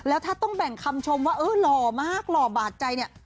แล้วถ้าต้องแบ่งคำชมว่าเออหล่อมากหล่อบาดใจเนี่ย